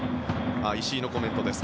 石井のコメントです。